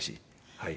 はい。